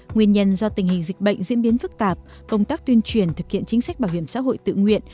nguyên nhân do tình hình dịch bệnh diễn biến phức tạp công tác tuyên truyền thực hiện chính sách bảo hiểm xã hội tự nguyện